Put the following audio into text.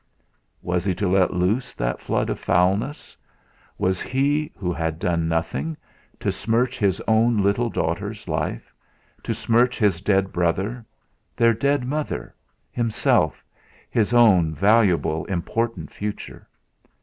Was he to let loose that flood of foulness? Was he, who had done nothing, to smirch his own little daughter's life; to smirch his dead brother, their dead mother himself, his own valuable, important future?